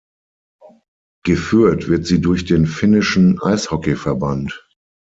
Geführt wird sie durch den Finnischen Eishockeyverband.